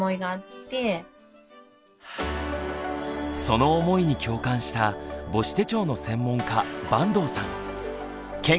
その思いに共感した母子手帳の専門家板東さん。